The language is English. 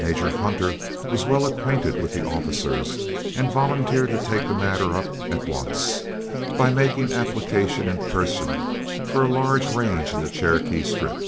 Major Hunter was well acquainted with the officers, and volunteered to take the matter up at once, by making application in person for a large range in the Cherokee Strip.